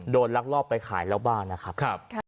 ลักลอบไปขายแล้วบ้างนะครับ